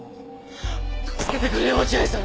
助けてくれよ落合さん！